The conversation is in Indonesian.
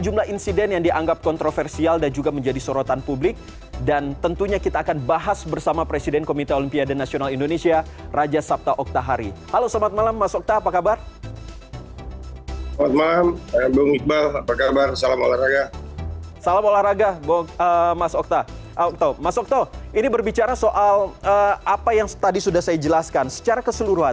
mas okto ini berbicara soal apa yang tadi sudah saya jelaskan secara keseluruhan